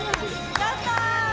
やった！